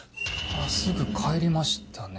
すぐ帰りましたね。